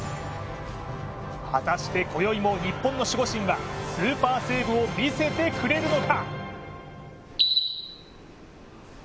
果たして、こよいも日本の守護神はスーパーセーブを見せてくれるのか？